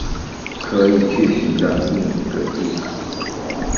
可以去寻找另一个地方